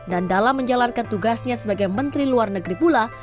dan dalam menjalankan tugasnya sebagai menteri luar negeri pula